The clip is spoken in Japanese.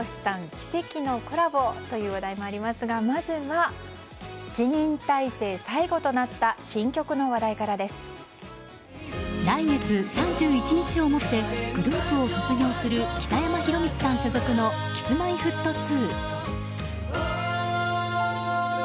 奇跡のコラボという話題もありますがまずは７人体制最後となった来月３１日をもってグループを卒業する北山宏光さん所属のＫｉｓ‐Ｍｙ‐Ｆｔ２。